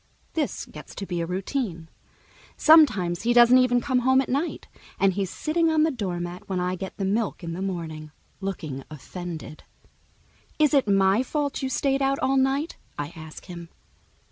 This gets to be a routine. Sometimes he doesn't even come home at night, and he's sitting on the doormat when I get the milk in the morning, looking offended. "Is it my fault you stayed out all night?" I ask him.